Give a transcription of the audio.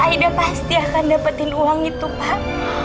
aida pasti akan dapetin uang itu pak